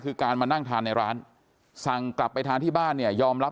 คือการมานั่งทานในร้านสั่งกลับไปทานที่บ้านเนี่ยยอมรับ